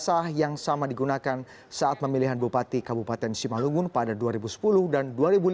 kisah yang sama digunakan saat memilihan bupati kabupaten simalungun pada dua ribu sepuluh dan dua ribu lima belas